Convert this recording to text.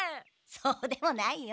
そうでもないよ。